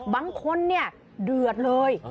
บางคนเนี่ยเดือดเลย